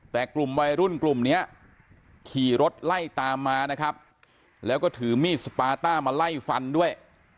แต่กลุ่มวัยรุ่นกลุ่มเนี้ยขี่รถไล่ตามมานะครับแล้วก็ถือมีดสปาต้ามาไล่ฟันด้วย